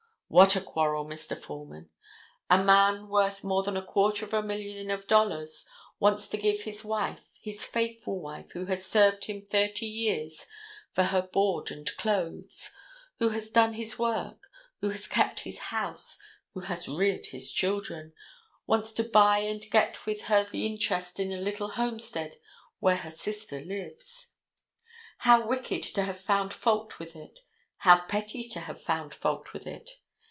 What a quarrel, Mr. Foreman. A man worth more than a quarter of a million of dollars, wants to give his wife, his faithful wife who has served him thirty years for her board and clothes, who has done his work, who has kept his house, who has reared his children, wants to buy and get with her the interest in a little homestead where her sister lives. How wicked to have found fault with it. How petty to have found fault with it.